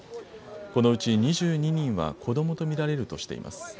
このうち２２人は子どもと見られるとしています。